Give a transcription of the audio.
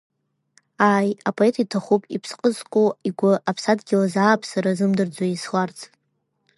Ааи, апоет иҭахуп иԥсҟы зку игәы Аԥсадгьыл азы ааԥсара азымдырӡо еисларц.